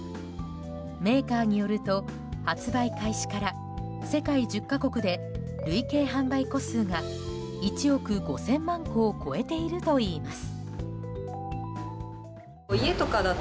メーカーによると発売開始から世界１０か国で累計販売個数が１億５０００万個を超えているといいます。